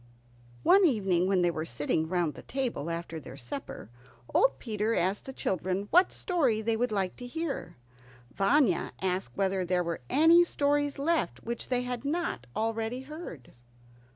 One evening, when they were sitting round the table after their supper, old Peter asked the children what story they would like to hear. Vanya asked whether there were any stories left which they had not already heard.